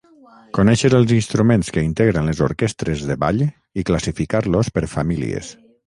Conèixer els instruments que integren les orquestres de ball i classificar-los per famílies.